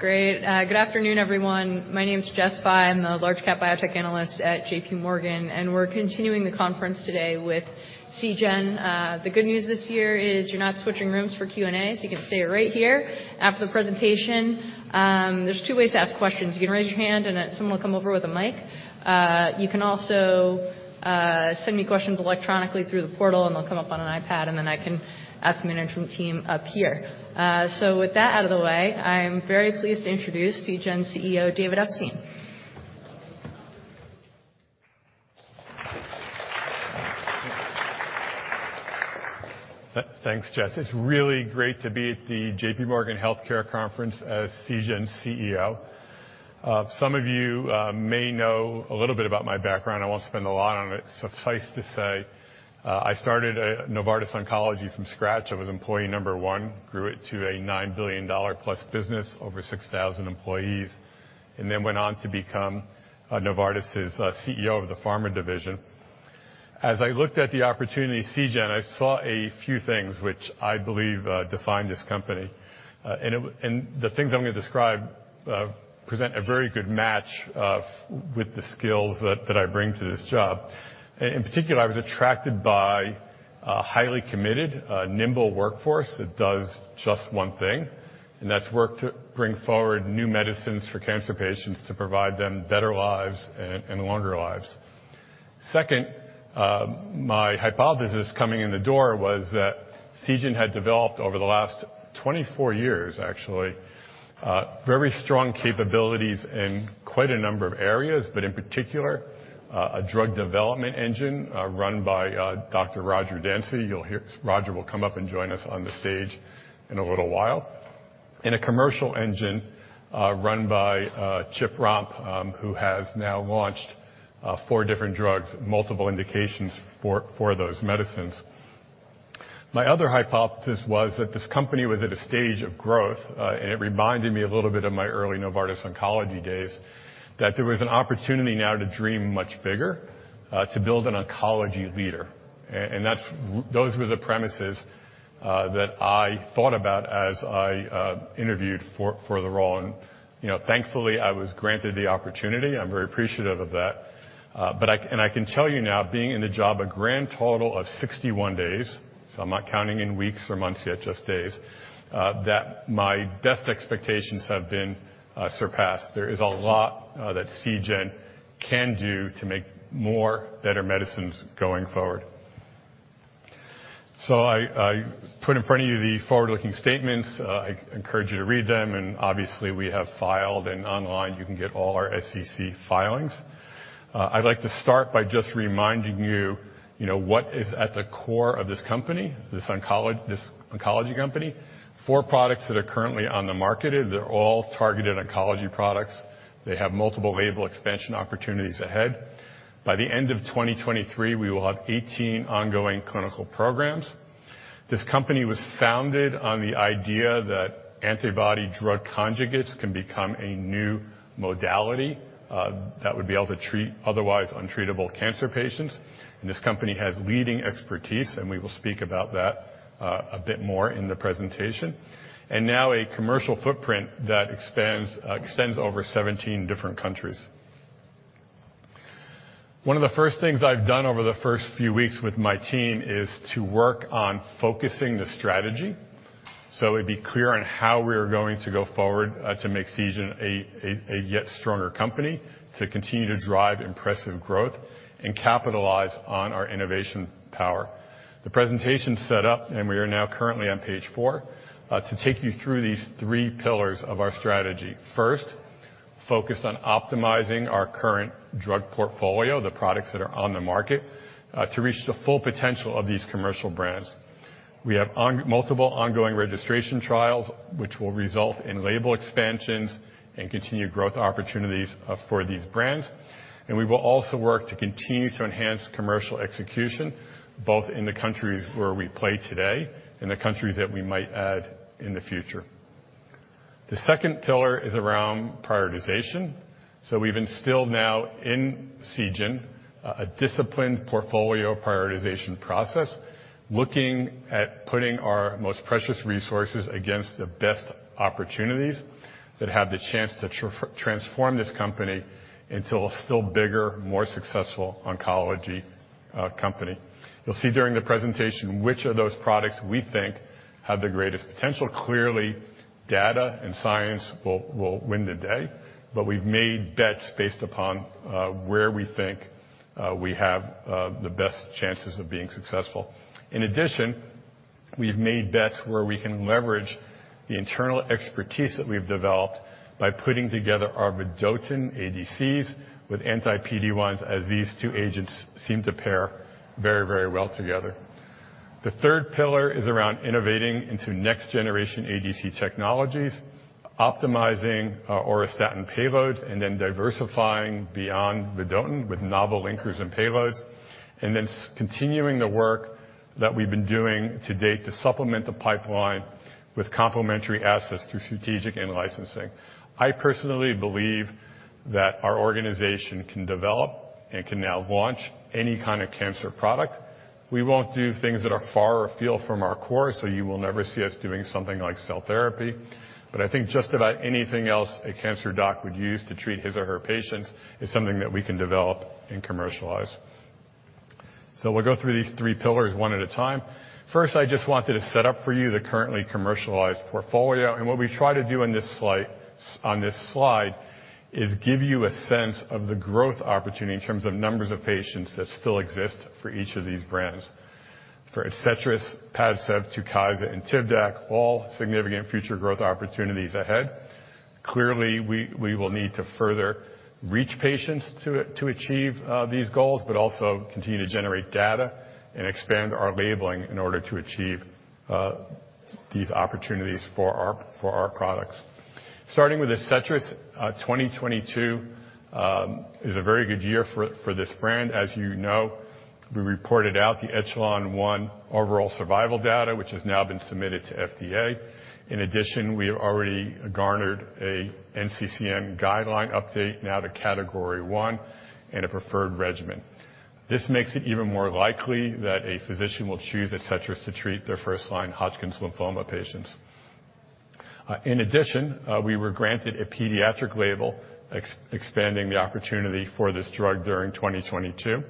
Great. Good afternoon, everyone. My name is Jessica Fye. I'm the large-cap biotech analyst at J.P. Morgan, and we're continuing the conference today with Seagen. The good news this year is you're not switching rooms for Q&A, so you can stay right here after the presentation. There's two ways to ask questions. You can raise your hand, and then someone will come over with a mic. You can also send me questions electronically through the portal, and they'll come up on an iPad, and then I can ask the management team up here. With that out of the way, I'm very pleased to introduce Seagen CEO, David Epstein. Thanks, Jess. It's really great to be at the J.P. Morgan Healthcare Conference as Seagen's CEO. Some of you may know a little bit about my background. I won't spend a lot on it. Suffice to say, I started at Novartis Oncology from scratch. I was employee number 1. Grew it to a $9 billion-plus business, over 6,000 employees, and then went on to become, Novartis's CEO of the Novartis Pharmaceuticals Division. As I looked at the opportunity at Seagen, I saw a few things which I believe define this company. The things I'm going to describe, present a very good match with the skills that I bring to this job. In particular, I was attracted by a highly committed, nimble workforce that does just one thing, and that's work to bring forward new medicines for cancer patients to provide them better lives and longer lives. Second, my hypothesis coming in the door was that Seagen had developed over the last 24 years, actually, very strong capabilities in quite a number of areas, but in particular, a drug development engine, run by Dr. Roger Dansey. Roger will come up and join us on the stage in a little while. In a commercial engine, run by Charles Romp, who has now launched four different drugs, multiple indications for those medicines. My other hypothesis was that this company was at a stage of growth, and it reminded me a little bit of my early Novartis Oncology days, that there was an opportunity now to dream much bigger, to build an oncology leader. Those were the premises that I thought about as I interviewed for the role. thankfully, I was granted the opportunity. I'm very appreciative of that. I can tell you now, being in the job a grand total of 61 days, so I'm not counting in weeks or months yet, just days, that my best expectations have been surpassed. There is a lot that Seagen can do to make more better medicines going forward. I put in front of you the forward-looking statements. I encourage you to read them. Obviously we have filed and online, you can get all our SEC filings. I'd like to start by just reminding what is at the core of this company, this oncology company. Four products that are currently on the market. They're all targeted oncology products. They have multiple label expansion opportunities ahead. By the end of 2023, we will have 18 ongoing clinical programs. This company was founded on the idea that antibody-drug conjugates can become a new modality that would be able to treat otherwise untreatable cancer patients. This company has leading expertise, and we will speak about that a bit more in the presentation. Now a commercial footprint that expands, extends over 17 different countries. One of the first things I've done over the first few weeks with my team is to work on focusing the strategy, so it'd be clear on how we're going to go forward, to make Seagen a stronger company, to continue to drive impressive growth and capitalize on our innovation power. The presentation is set up. We are now currently on page 4, to take you through these three pillars of our strategy. First, focused on optimizing our current drug portfolio, the products that are on the market, to reach the full potential of these commercial brands. We have multiple ongoing registration trials, which will result in label expansions and continued growth opportunities, for these brands. We will also work to continue to enhance commercial execution, both in the countries where we play today and the countries that we might add in the future. The second pillar is around prioritization. We've instilled now in Seagen a disciplined portfolio prioritization process, looking at putting our most precious resources against the best opportunities that have the chance to transform this company into a still bigger, more successful oncology company. You'll see during the presentation which of those products we think have the greatest potential. Clearly, data and science will win the day, but we've made bets based upon where we think we have the best chances of being successful. In addition, we've made bets where we can leverage the internal expertise that we've developed by putting together our vedotin ADCs with anti-PD-1s as these two agents seem to pair very, very well together. The third pillar is around innovating into next generation ADC technologies, optimizing our auristatin payloads, and then diversifying beyond vedotin with novel linkers and payloads, and then continuing the work that we've been doing to date to supplement the pipeline with complementary assets through strategic and licensing. I personally believe that our organization can develop and can now launch any kind of cancer product. We won't do things that are far afield from our core, so you will never see us doing something like cell therapy. I think just about anything else a cancer doc would use to treat his or her patients is something that we can develop and commercialize. We'll go through these 3 pillars one at a time. First, I just wanted to set up for you the currently commercialized portfolio. What we try to do on this slide is give you a sense of the growth opportunity in terms of numbers of patients that still exist for each of these brands. For ADCETRIS, Padcev, Tukysa, and TIVDAK, all significant future growth opportunities ahead. Clearly, we will need to further reach patients to achieve these goals, but also continue to generate data and expand our labeling in order to achieve these opportunities for our products. Starting with ADCETRIS, 2022 is a very good year for this brand. As we reported out the ECHELON-1 overall survival data, which has now been submitted to FDA. We have already garnered a NCCN guideline update now to category one and a preferred regimen. This makes it even more likely that a physician will choose ADCETRIS to treat their first-line Hodgkin lymphoma patients. We were granted a pediatric label expanding the opportunity for this drug during 2022,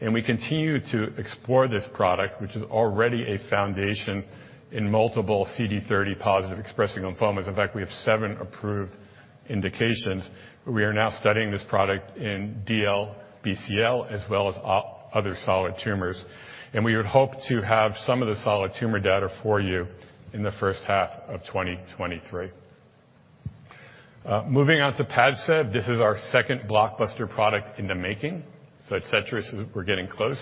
and we continue to explore this product, which is already a foundation in multiple CD30 positive expressing lymphomas. In fact, we have seven approved indications. We are now studying this product in DLBCL as well as other solid tumors. We would hope to have some of the solid tumor data for you in the first half of 2023. Moving on to Padcev, this is our second blockbuster product in the making. ADCETRIS, we're getting close.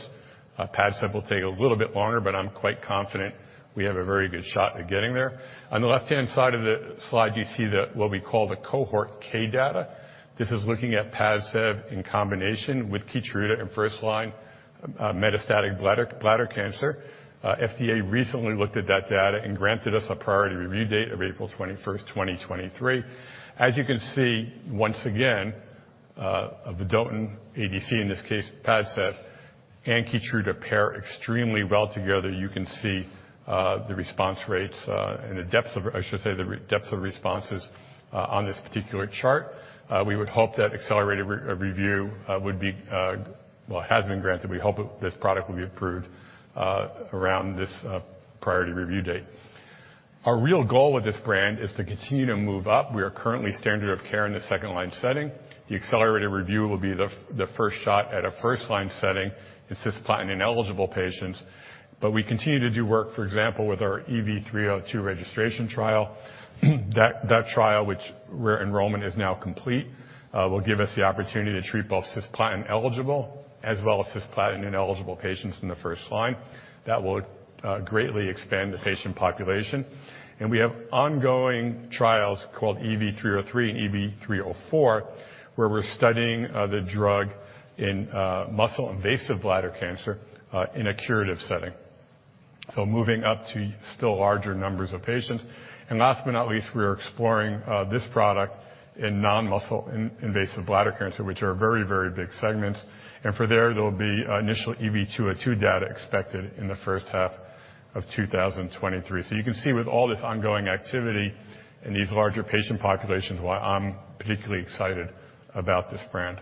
Padcev will take a little bit longer, but I'm quite confident we have a very good shot at getting there. On the left-hand side of the slide, you see the, what we call the Cohort K data. This is looking at Padcev in combination with KEYTRUDA in first-line, metastatic bladder cancer. FDA recently looked at that data and granted us a priority review date of April 21st, 2023. You can see, once again, of the vedotin ADC, in this case, Padcev and KEYTRUDA pair extremely well together. You can see, the response rates, and the depth of, I should say, the depth of responses, on this particular chart. We would hope that accelerated review would be... Well, it has been granted. We hope this product will be approved around this priority review date. Our real goal with this brand is to continue to move up. We are currently standard of care in the second-line setting. The accelerated review will be the first shot at a first-line setting in cisplatin-ineligible patients. We continue to do work, for example, with our EV-302 registration trial. That trial where enrollment is now complete will give us the opportunity to treat both cisplatin-eligible as well as cisplatin-ineligible patients in the first line. That will greatly expand the patient population. We have ongoing trials called EV-303 and EV-304, where we're studying the drug in muscle-invasive bladder cancer in a curative setting. Moving up to still larger numbers of patients. Last but not least, we are exploring this product in non-muscle invasive bladder cancer, which are very, very big segments. For there will be initial EV-202 data expected in the first half of 2023. You can see with all this ongoing activity in these larger patient populations why I'm particularly excited about this brand.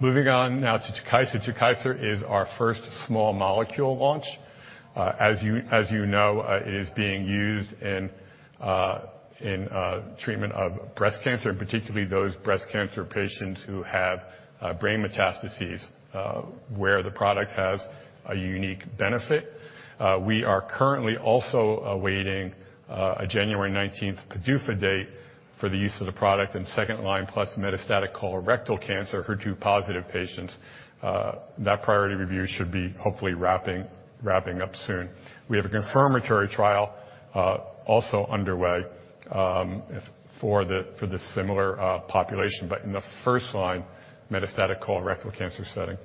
Moving on now to Tukysa. Tukysa is our first small molecule launch. As it is being used in treatment of breast cancer, and particularly those breast cancer patients who have brain metastases, where the product has a unique benefit. We are currently also awaiting a January 19th PDUFA date for the use of the product in second-line plus metastatic colorectal cancer, HER2 positive patients. That priority review should be hopefully wrapping up soon. We have a confirmatory trial also underway for the similar population, but in the first-line metastatic colorectal cancer setting.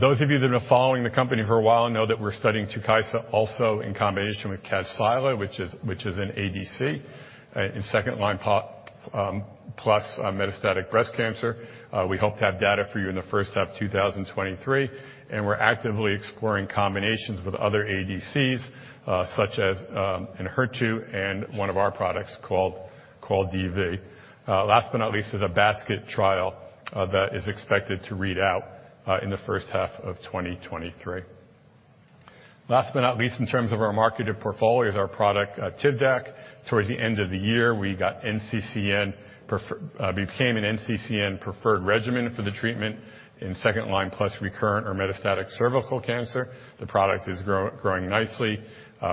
Those of you that have been following the company for a while know that we're studying Tukysa also in combination with Kadcyla, which is an ADC, in second-line plus metastatic breast cancer. We hope to have data for you in the first half 2023, and we're actively exploring combinations with other ADCs, such as ENHERTU and one of our products called DV. Last but not least is a basket trial that is expected to read out in the first half of 2023. Last but not least, in terms of our marketed portfolio is our product, TIVDAK. Towards the end of the year, we got NCCN became an NCCN preferred regimen for the treatment in second-line plus recurrent or metastatic cervical cancer. The product is growing nicely.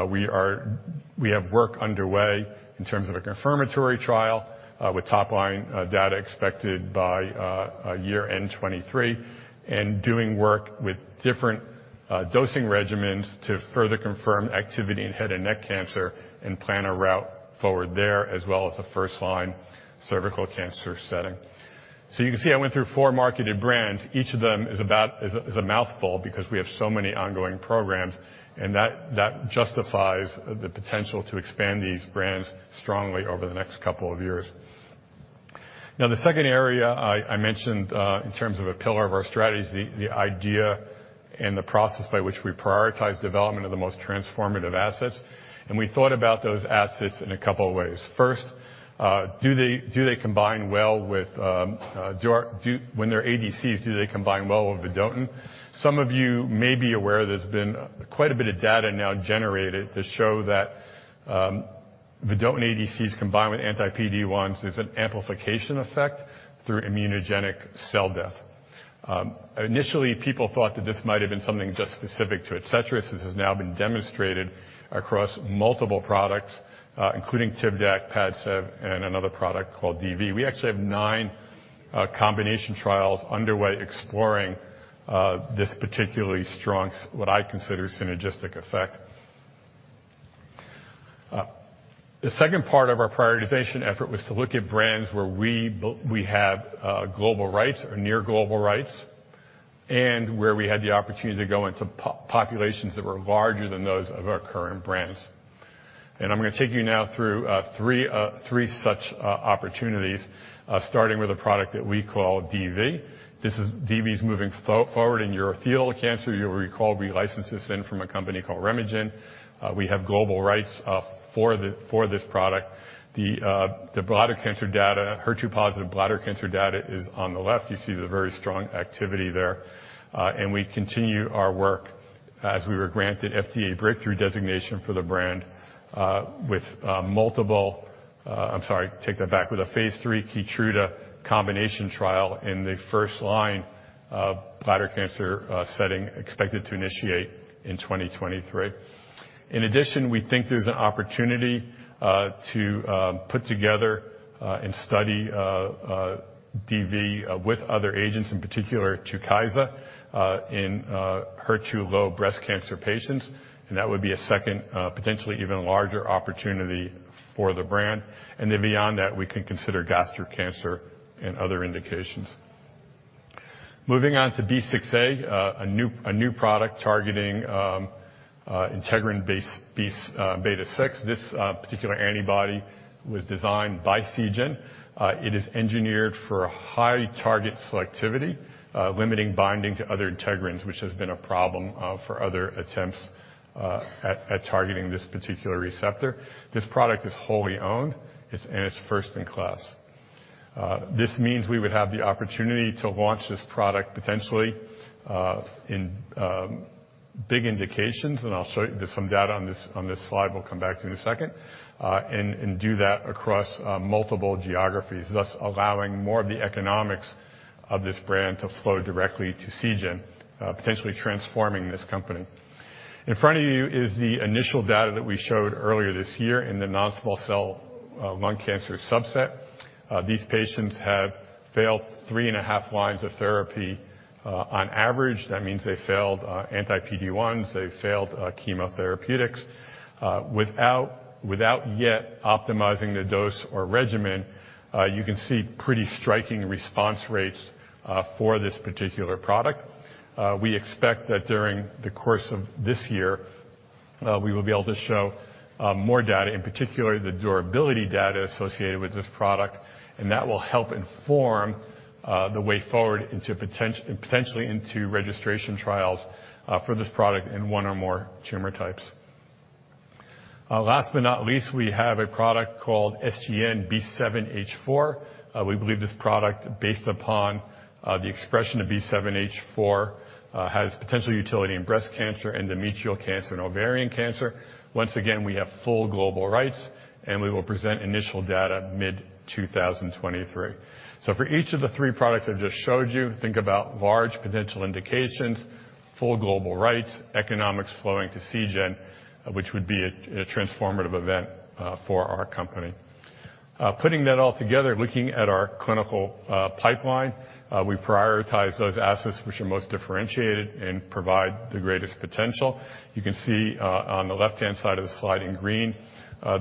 We have work underway in terms of a confirmatory trial, with top line data expected by year-end 2023, and doing work with different dosing regimens to further confirm activity in head and neck cancer and plan a route forward there as well as the first-line cervical cancer setting. You can see I went through four marketed brands. Each of them is a mouthful because we have so many ongoing programs, and that justifies the potential to expand these brands strongly over the next couple of years. Now, the second area I mentioned in terms of a pillar of our strategy is the idea and the process by which we prioritize development of the most transformative assets. We thought about those assets in a couple of ways. First, do they combine well with, When they're ADCs, do they combine well with vedotin? Some of you may be aware there's been quite a bit of data now generated to show that vedotin ADCs combine with anti-PD-1s, there's an amplification effect through immunogenic cell death. Initially, people thought that this might have been something just specific to ADCETRIS. This has now been demonstrated across multiple products, including TIVDAK, Padcev, and another product called DV. We actually have 9 combination trials underway exploring this particularly strong, what I consider synergistic effect. The second part of our prioritization effort was to look at brands where we have global rights or near global rights, and where we had the opportunity to go into populations that were larger than those of our current brands. I'm going to take you now through three such opportunities, starting with a product that we call DV. DV is moving forward in urothelial cancer. You'll recall we licensed this in from a company called RemeGen. We have global rights for this product. The bladder cancer data, HER2-positive bladder cancer data is on the left. You see the very strong activity there. We continue our work as we were granted FDA Breakthrough designation for the brand with a Phase III KEYTRUDA combination trial in the first line of bladder cancer setting expected to initiate in 2023. In addition, we think there's an opportunity to put together and study DV with other agents, in particular, Tukysa, in HER2-low breast cancer patients, and that would be a second, potentially even larger opportunity for the brand. Beyond that, we can consider gastric cancer and other indications. Moving on to B6A, a new product targeting integrin beta-6. This particular antibody was designed by Seagen. It is engineered for high target selectivity, limiting binding to other integrins, which has been a problem for other attempts at targeting this particular receptor. This product is wholly owned and it's first in class. This means we would have the opportunity to launch this product potentially in big indications, and I'll show you there's some data on this slide we'll come back to in a second, and do that across multiple geographies, thus allowing more of the economics of this brand to flow directly to Seagen, potentially transforming this company. In front of you is the initial data that we showed earlier this year in the non-small cell lung cancer subset. These patients have failed three and a half lines of therapy on average. That means they failed anti-PD-1s, they failed chemotherapeutics, without yet optimizing the dose or regimen. You can see pretty striking response rates for this particular product. We expect that during the course of this year, we will be able to show more data, in particular the durability data associated with this product, and that will help inform the way forward into potentially into registration trials for this product in one or more tumor types. Last but not least, we have a product called SGN-B7H4. We believe this product, based upon the expression of B7-H4, has potential utility in breast cancer, endometrial cancer, and ovarian cancer. Once again, we have full global rights, and we will present initial data mid 2023. For each of the 3 products I've just showed you, think about large potential indications, full global rights, economics flowing to Seagen, which would be a transformative event for our company. Putting that all together, looking at our clinical pipeline, we prioritize those assets which are most differentiated and provide the greatest potential. You can see on the left-hand side of the slide in green,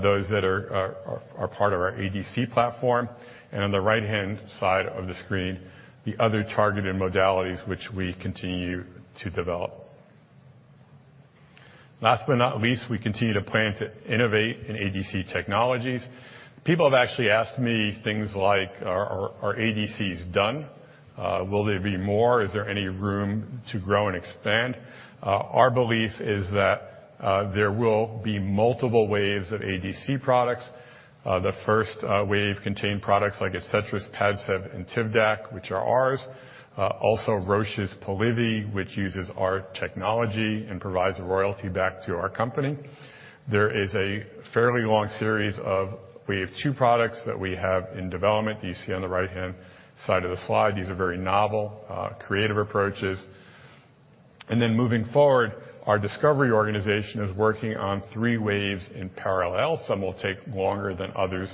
those that are part of our ADC platform, and on the right-hand side of the screen, the other targeted modalities which we continue to develop. Last but not least, we continue to plan to innovate in ADC technologies. People have actually asked me things like, are ADCs done? Will there be more? Is there any room to grow and expand? Our belief is that there will be multiple waves of ADC products. The first wave contain products like ADCETRIS, Padcev, and TIVDAK, which are ours. Also Roche's Polivy, which uses our technology and provides a royalty back to our company. There is a fairly long series of wave 2 products that we have in development that you see on the right-hand side of the slide. These are very novel, creative approaches. Moving forward, our discovery organization is working on three waves in parallel. Some will take longer than others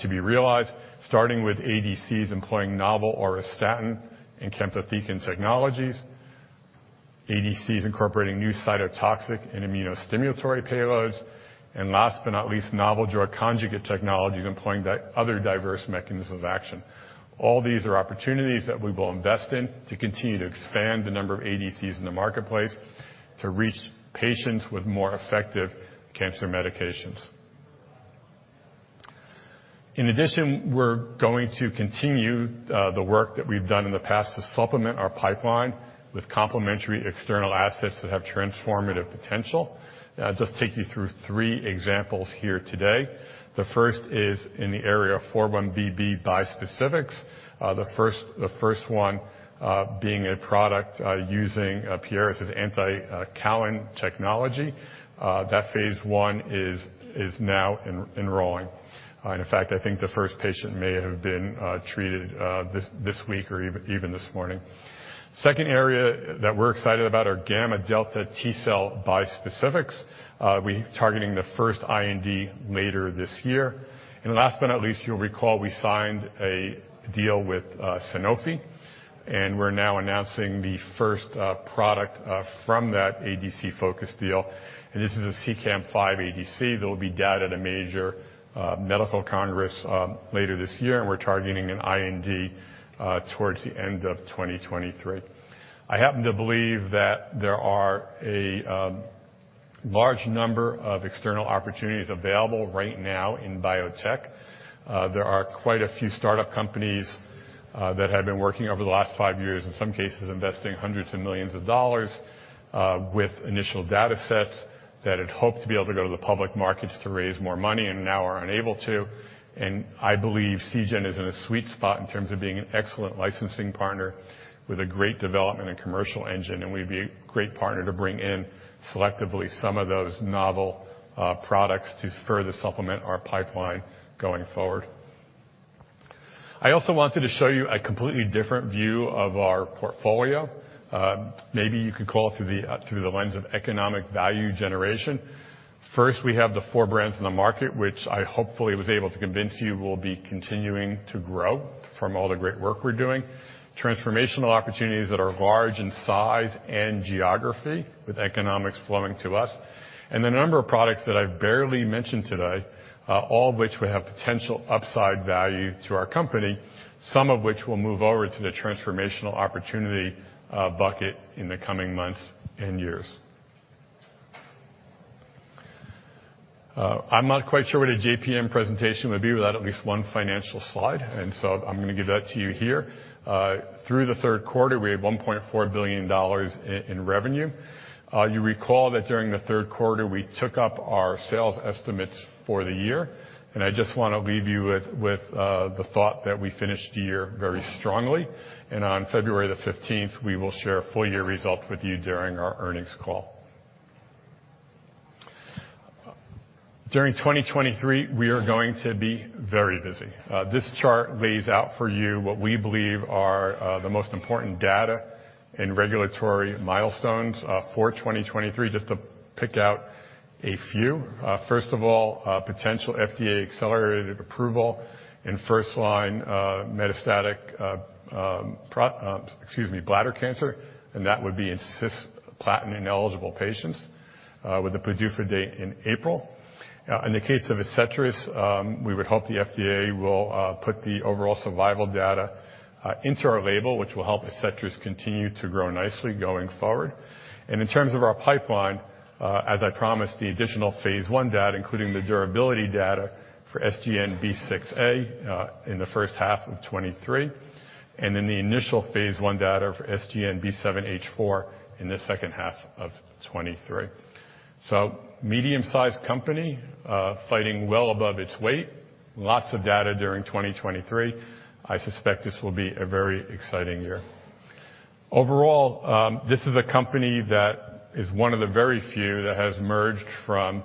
to be realized, starting with ADCs employing novel auristatin and camptothecin technologies, ADCs incorporating new cytotoxic and immunostimulatory payloads, last but not least, novel drug conjugate technologies employing other diverse mechanisms of action. All these are opportunities that we will invest in to continue to expand the number of ADCs in the marketplace to reach patients with more effective cancer medications. In addition, we're going to continue the work that we've done in the past to supplement our pipeline with complementary external assets that have transformative potential. I'll just take you through three examples here today. The first is in the area of 4-1BB bispecifics. The first one being a product using Pieris' Anticalin technology. That Phase I is now enrolling. In fact, I think the first patient may have been treated this week or even this morning. Second area that we're excited about are gamma delta T-cell bispecifics. We're targeting the first IND later this year. Last but not least, you'll recall, we signed a deal with Sanofi, and we're now announcing the first product from that ADC-focused deal, and this is a CEACAM5 ADC that will be data at a major medical congress later this year, and we're targeting an IND towards the end of 2023. I happen to believe that there are a large number of external opportunities available right now in biotech. There are quite a few startup companies that have been working over the last 5 years, in some cases, investing $hundreds of millions, with initial datasets that had hoped to be able to go to the public markets to raise more money and now are unable to. I believe Seagen is in a sweet spot in terms of being an excellent licensing partner with a great development and commercial engine, and we'd be a great partner to bring in selectively some of those novel products to further supplement our pipeline going forward. I also wanted to show you a completely different view of our portfolio. Maybe you could call through the through the lens of economic value generation. First, we have the four brands in the market, which I hopefully was able to convince you will be continuing to grow from all the great work we're doing. Transformational opportunities that are large in size and geography with economics flowing to us. The number of products that I've barely mentioned today, all of which will have potential upside value to our company, some of which will move over to the transformational opportunity bucket in the coming months and years. I'm not quite sure what a JPM presentation would be without at least one financial slide. I'm going to give that to you here. Through the Q3, we had $1.4 billion in revenue. You recall that during the Q3, we took up our sales estimates for the year, and I just want to leave you with the thought that we finished the year very strongly. On February the 15th, we will share full year results with you during our earnings call. During 2023, we are going to be very busy. This chart lays out for you what we believe are the most important data and regulatory milestones for 2023. Just to pick out a few. First of all, a potential FDA Accelerated Approval in first-line, metastatic, excuse me, bladder cancer, and that would be in cisplatin-eligible patients, with the PDUFA date in April. In the case of ADCETRIS, we would hope the FDA will put the overall survival data into our label, which will help ADCETRIS continue to grow nicely going forward. In terms of our pipeline, as I promised, the additional Phase I data, including the durability data for SGN-B6A, in the first half of 2023, then the initial Phase I data for SGN-B7H4 in the second half of 2023. Medium-sized company, fighting well above its weight. Lots of data during 2023. I suspect this will be a very exciting year. Overall, this is a company that is one of the very few that has merged from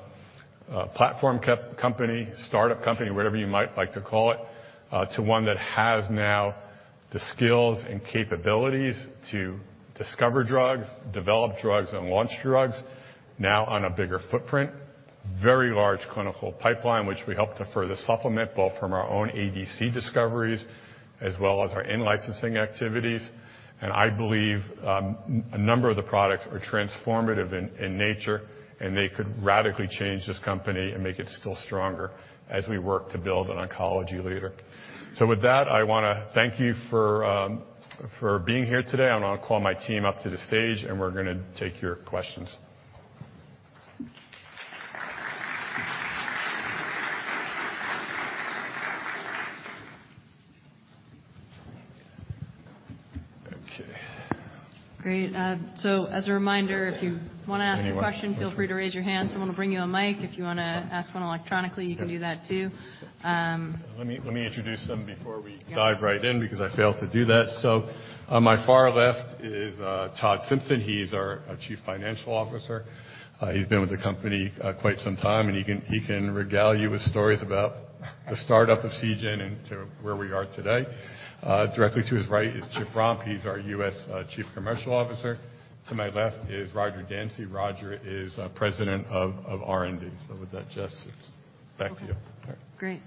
a platform co-company, startup company, whatever you might like to call it, to one that has now the skills and capabilities to discover drugs, develop drugs and launch drugs now on a bigger footprint. Very large clinical pipeline, which we hope to further supplement both from our own ADC discoveries as well as our in-licensing activities. I believe, a number of the products are transformative in nature, and they could radically change this company and make it still stronger as we work to build an oncology leader. With that, I want to thank you for being here today. I want to call my team up to the stage, and we're going to take your questions. Okay. Great. As a reminder, if you want to ask a question, feel free to raise your hand. Someone will bring you a mic. If you want to ask one electronically, you can do that too. Let me introduce them before. Yeah... dive right in because I failed to do that. On my far left is Todd Simpson. He's our Chief Financial Officer. He's been with the company quite some time, and he can regale you with stories about the startup of Seagen and to where we are today. Directly to his right is Charles Romp. He's our U.S. Chief Commercial Officer. To my left is Roger Dansey. Roger is President of R&D. With that, Jess, it's back to you. Great.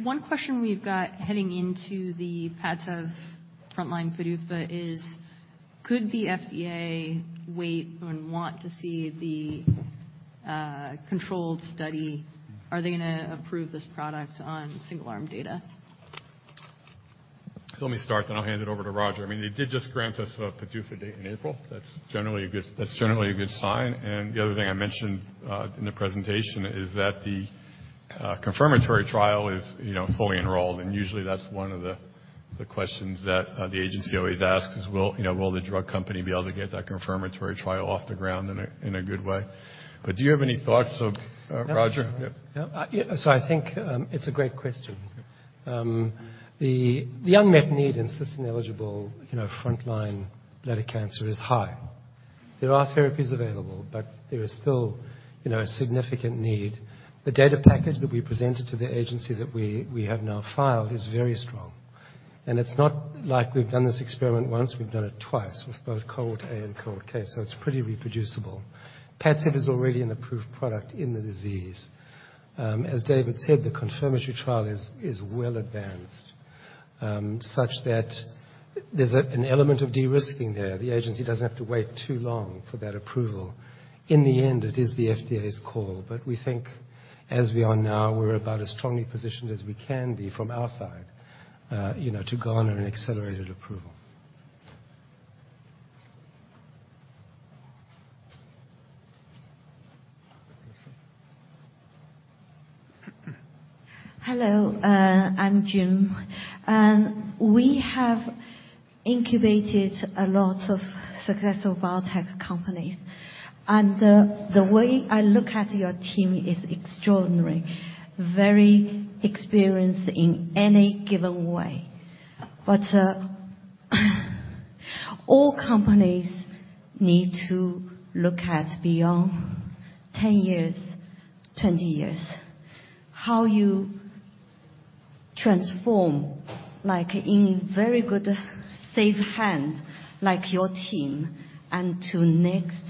One question we've got heading into the path of frontline Padcev is, Could the FDA wait and want to see the controlled study? Are they going to approve this product on single-arm data? Let me start, then I'll hand it over to Roger. I mean, they did just grant us a date in April. That's generally a good sign. The other thing I mentioned in the presentation is that the confirmatory trial is fully enrolled. Usually, that's one of the questions that the agency always asks is, "Will the drug company be able to get that confirmatory trial off the ground in a good way?" Do you have any thoughts of? No. Roger? Yeah. No. Yeah, so I think it's a great question. The unmet need in cisplatin-eligible frontline bladder cancer is high. There are therapies available, but there is still a significant need. The data package that we presented to the agency that we have now filed is very strong. It's not like we've done this experiment once, we've done it twice with both Cohort A and Cohort K, so it's pretty reproducible. Padcev is already an approved product in the disease. As David said, the confirmatory trial is well advanced, such that there's an element of de-risking there. The agency doesn't have to wait too long for that approval. In the end, it is the FDA's call, but we think as we are now, we're about as strongly positioned as we can be from our side to garner an Accelerated Approval. Hello. I'm June. We have incubated a lot of successful biotech companies, and, the way I look at your team is extraordinary. Very experienced in any given way. All companies need to look at beyond 10 years, 20 years. How you transform, like, in very good safe hands like your team, until next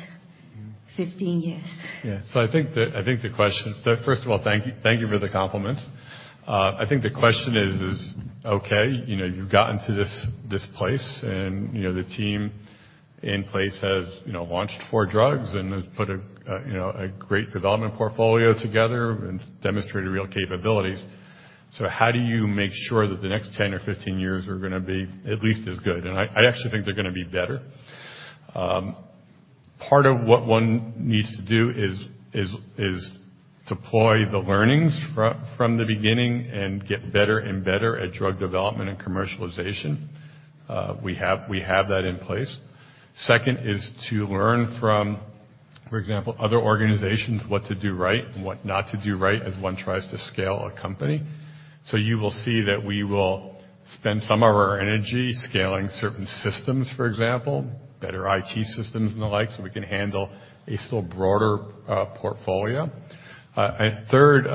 15 years. Yeah. I think the question. First of all, thank you for the compliments. I think the question is okay you've gotten to this place and the team in place has launched 4 drugs and has put a a great development portfolio together and demonstrated real capabilities. How do you make sure that the next 10 or 15 years are going to be at least as good? I actually think they're going to be better. Part of what one needs to do is deploy the learnings from the beginning and get better and better at drug development and commercialization. We have that in place. Second is to learn from, for example, other organizations, what to do right and what not to do right as one tries to scale a company. You will see that we will spend some of our energy scaling certain systems, for example, better IT systems and the like, so we can handle a still broader portfolio. Third,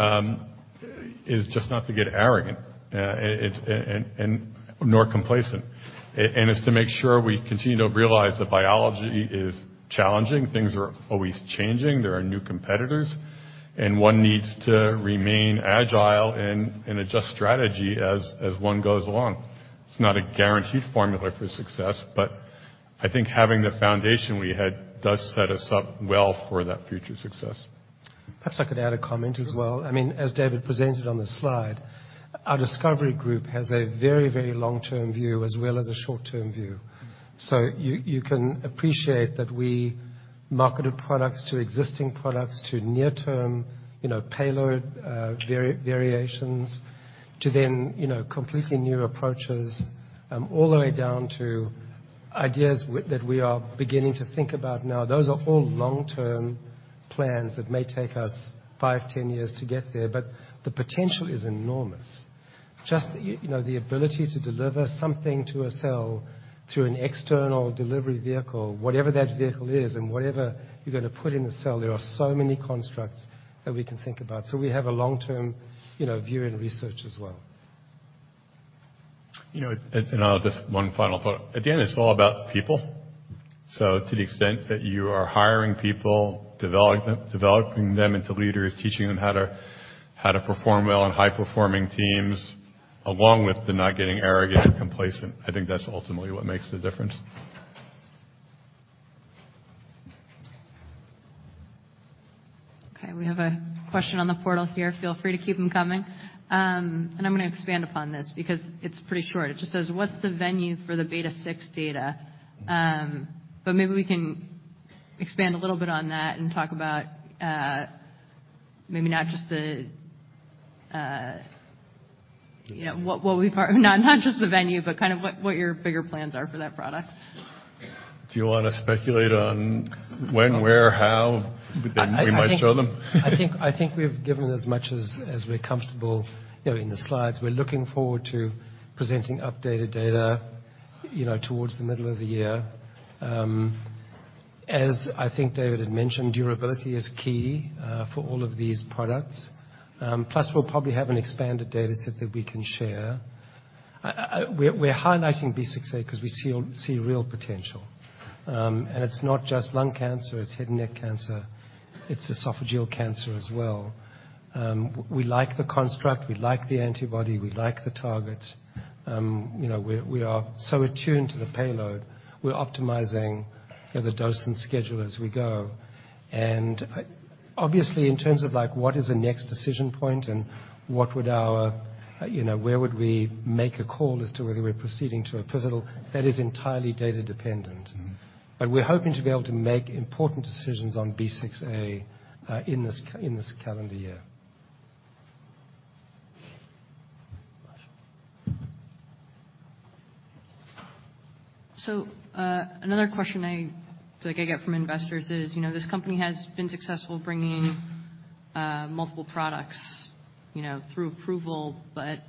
is just not to get arrogant, and nor complacent. It's to make sure we continue to realize that biology is challenging, things are always changing, there are new competitors, and one needs to remain agile and adjust strategy as one goes along. It's not a guaranteed formula for success, but I think having the foundation we had does set us up well for that future success. Perhaps I could add a comment as well. I mean, as David presented on the slide, our discovery group has a very, very long-term view as well as a short-term view. You can appreciate that we marketed products to existing products to near-term payload, variations, to then completely new approaches, all the way down to ideas that we are beginning to think about now. Those are all long-term plans that may take us 5, 10 years to get there, but the potential is enormous. just the ability to deliver something to a cell through an external delivery vehicle, whatever that vehicle is and whatever you're going to put in the cell, there are so many constructs that we can think about. We have a long-term view in research as well. I'll just one final thought. Again, it's all about people. To the extent that you are hiring people, develop them, developing them into leaders, teaching them how to perform well in high-performing teams, along with the not getting arrogant or complacent, I think that's ultimately what makes the difference. Okay, we have a question on the portal here. Feel free to keep them coming. I'm going to expand upon this because it's pretty short. It just says, "What's the venue for the beta six data?" Maybe we can expand a little bit on that and talk about, maybe not just the not just the venue, but kind of what your bigger plans are for that product. Do you want to speculate on when, where, how we might show them? I think we've given as much as we're comfortable in the slides. We're looking forward to presenting updated data towards the middle of the year. As I think David had mentioned, durability is key for all of these products. Plus we'll probably have an expanded dataset that we can share. We're highlighting SGN-B6A because we see real potential. It's not just lung cancer, it's head and neck cancer, it's esophageal cancer as well. We like the construct, we like the antibody, we like the targets. We are so attuned to the payload, we're optimizing the dose and schedule as we go. Obviously, in terms of like, what is the next decision point and what would our where would we make a call as to whether we're proceeding to a pivotal? That is entirely data dependent. Mm-hmm. We're hoping to be able to make important decisions on SGN-B6A in this calendar year. Gotcha. Another question like I get from investors is this company has been successful bringing multiple products through approval, but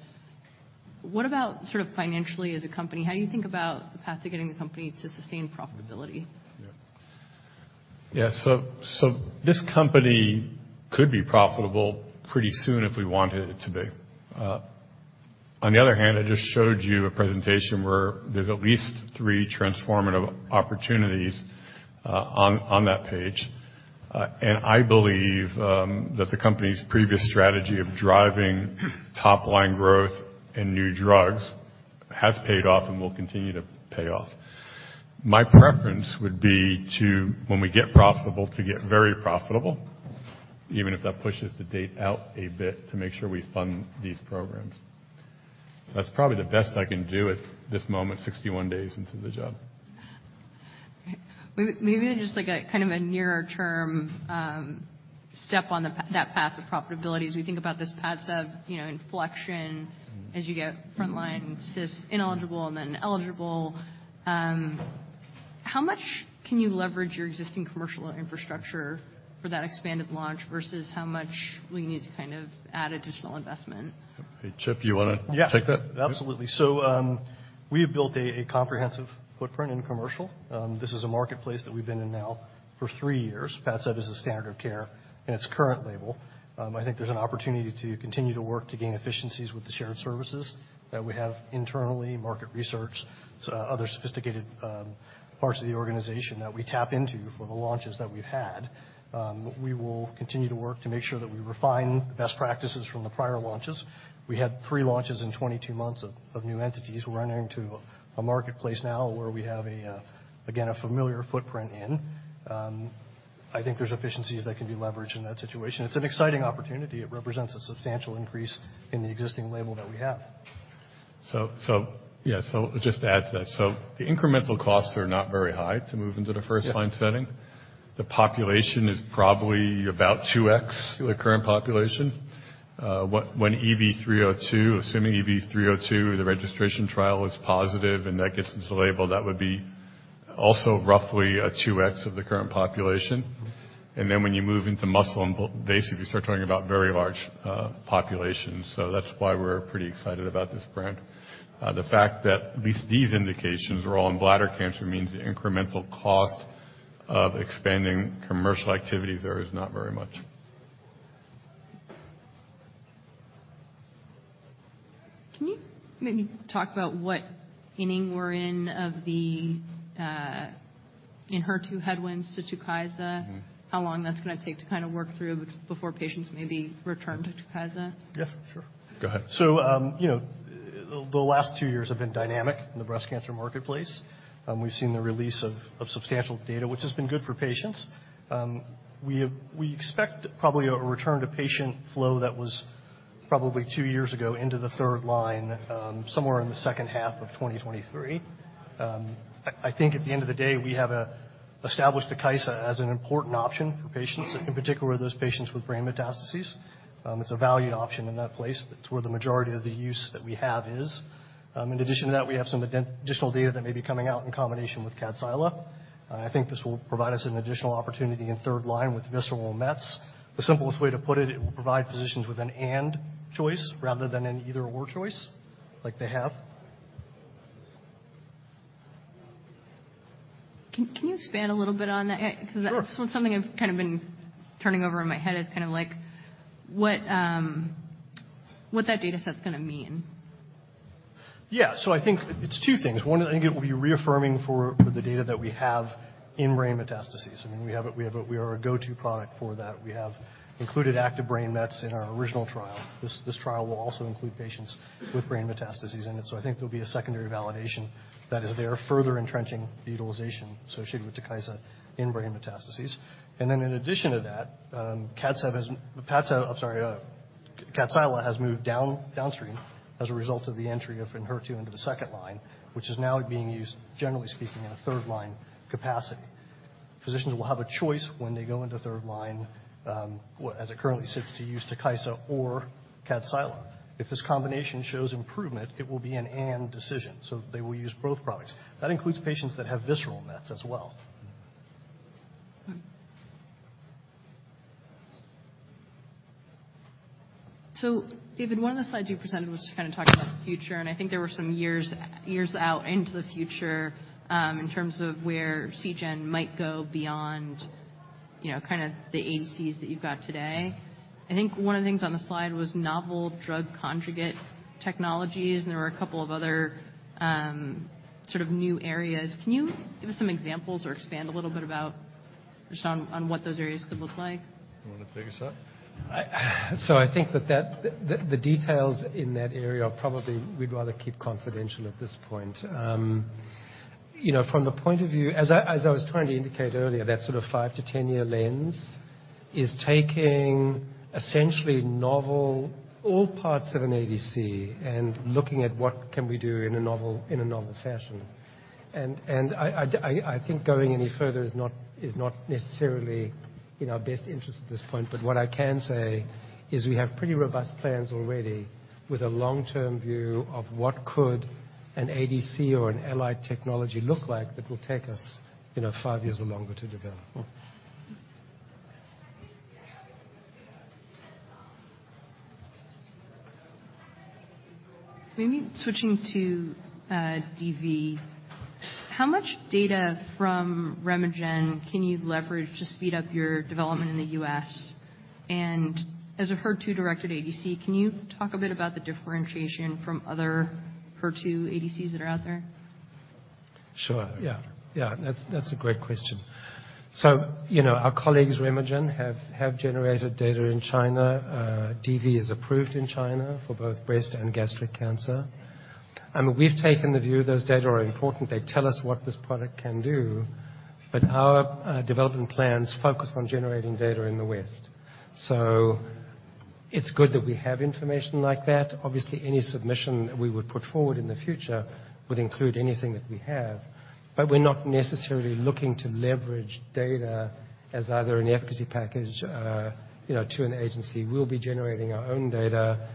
what about sort of financially as a company? How do you think about the path to getting the company to sustain profitability? Yeah. Yeah. This company could be profitable pretty soon if we wanted it to be. On the other hand, I just showed you a presentation where there's at least three transformative opportunities on that page. I believe that the company's previous strategy of driving top line growth and new drugs has paid off and will continue to pay off. My preference would be to, when we get profitable, to get very profitable, even if that pushes the date out a bit to make sure we fund these programs. That's probably the best I can do at this moment, 61 days into the job. Okay. Maybe just like a kind of a nearer term, step on that path of profitability, as we think about this padcev inflection. Mm-hmm. As you get frontline cis ineligible and then eligible, how much can you leverage your existing commercial infrastructure for that expanded launch versus how much will you need to kind of add additional investment? Hey, Charles, you want to take that? Yeah. Absolutely. We have built a comprehensive footprint in commercial. This is a marketplace that we've been in now for 3 years. Padcev is a standard of care in its current label. I think there's an opportunity to continue to work to gain efficiencies with the shared services that we have internally, market research, other sophisticated parts of the organization that we tap into for the launches that we've had. We will continue to work to make sure that we refine the best practices from the prior launches. We had three launches in 22 months of new entities. We're entering into a marketplace now where we have again, a familiar footprint in. I think there's efficiencies that can be leveraged in that situation. It's an exciting opportunity. It represents a substantial increase in the existing label that we have. Yeah, so just to add to that. The incremental costs are not very high to move into the first-line setting. Yeah. The population is probably about 2x the current population. When EV302, assuming EV302, the registration trial is positive and that gets into label, that would be also roughly a 2x of the current population. Mm-hmm. When you move into muscle and bone, basically you start talking about very large populations. That's why we're pretty excited about this brand. The fact that at least these indications are all in bladder cancer means the incremental cost of expanding commercial activities there is not very much. Can you maybe talk about what inning we're in of the HER2 headwinds to ENHERTU? Mm-hmm. How long that's going to take to kinda work through before patients maybe return to Tukysa? Yes, sure. Go ahead. the last two years have been dynamic in the breast cancer marketplace. We've seen the release of substantial data, which has been good for patients. We expect probably a return to patient flow that was probably 2 years ago into the third line, somewhere in the second half of 2023. I think at the end of the day, we have established Tukysa as an important option for patients, in particular those patients with brain metastases. It's a valued option in that place. That's where the majority of the use that we have is. In addition to that, we have some additional data that may be coming out in combination with Kadcyla. I think this will provide us an additional opportunity in third line with visceral Mets. The simplest way to put it will provide physicians with an and choice rather than an either/or choice like they have. Can you expand a little bit on that? Sure. That's something I've kind of been turning over in my head is kind of like what that data set's going to mean. I think it's two things. One, I think it will be reaffirming for the data that we have in brain metastases. I mean, we have a go-to product for that. We have included active brain Mets in our original trial. This trial will also include patients with brain metastases in it. I think there'll be a secondary validation that is there further entrenching the utilization associated with Tukysa in brain metastases. In addition to that, Kadcyla has moved down downstream as a result of the entry of ENHERTU into the second line, which is now being used, generally speaking, in a third line capacity. Physicians will have a choice when they go into third line, as it currently sits, to use Tukysa or Kadcyla. If this combination shows improvement, it will be an and decision. They will use both products. That includes patients that have visceral Mets as well. Mm-hmm. David, one of the slides you presented was just kinda talking about the future, and I think there were some years out into the future, in terms of where Seagen might go beyond kinda the ADCs that you've got today. I think one of the things on the slide was novel drug conjugate technologies, and there were a couple of other, sort of new areas. Can you give us some examples or expand a little bit about? Seagen, on what those areas could look like? You want to take a shot? I think that the details in that area are probably we'd rather keep confidential at this point. From the point of view, as I was trying to indicate earlier, that sort of five to 10 year lens is taking essentially novel all parts of an ADC and looking at what can we do in a novel, in a novel fashion. I think going any further is not necessarily in our best interest at this point. What I can say is we have pretty robust plans already with a long-term view of what could an ADC or an allied technology look like that will take us five years or longer to develop. Maybe switching to DV. How much data from RemeGen can you leverage to speed up your development in the U.S.? As a HER2-directed ADC, can you talk a bit about the differentiation from other HER2 ADCs that are out there? Sure, yeah. Yeah, that's a great question. Our colleagues, RemeGen, have generated data in China. DV is approved in China for both breast and gastric cancer. We've taken the view those data are important. They tell us what this product can do, but our development plans focus on generating data in the West. It's good that we have information like that. Obviously, any submission that we would put forward in the future would include anything that we have, but we're not necessarily looking to leverage data as either an efficacy package to an agency. We'll be generating our own data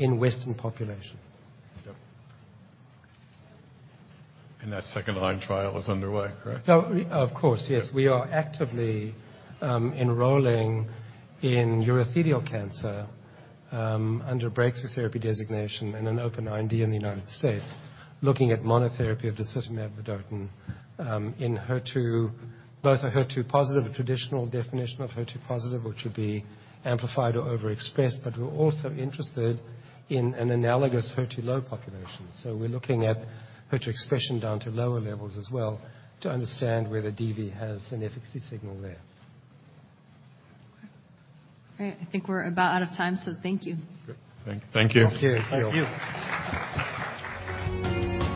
in Western populations. That second line trial is underway, correct? Of course, yes. We are actively enrolling in urothelial cancer under Breakthrough Therapy designation in an open-label IND in the U.S., looking at monotherapy of disitamab vedotin, in HER2, Both a HER2-positive, a traditional definition of HER2-positive, which would be amplified or overexpressed, but we're also interested in an analogous HER2-low population. We're looking at HER2 expression down to lower levels as well to understand whether DV has an efficacy signal there. All right. I think we're about out of time, so thank you. Great. Thank you. Thank you. Thank you. Thank you.